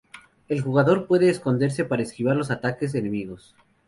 El jugador puede esconderse para esquivar los ataques enemigos.